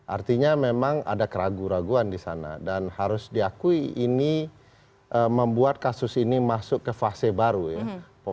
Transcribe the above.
artinya memang ada keraguan keraguan di sana dan harus diakui ini membuat kasus ini masuk ke fase baru ya